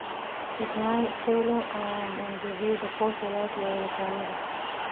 اسماعيل خېلو او مندوزي د خوست ولايت يوه ولسوالي ده.